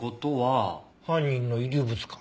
犯人の遺留物か。